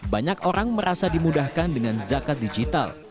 banyak orang merasa dimudahkan dengan zakat digital